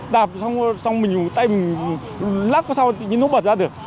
đạp xong mình dùng tay mình lắc vào sau thì nó bật ra được